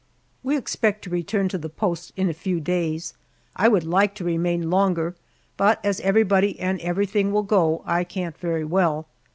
We expect to return to the post in a few days. I would like to remain longer, but as everybody and everything will go, I can't very well.